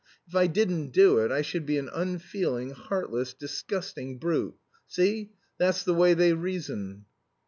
If I didn't do it I should be an unfeeling, heartless, disgusting brute. See? That's the way they reason."